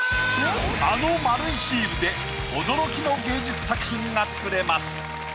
あの丸いシールで驚きの芸術作品が作れます。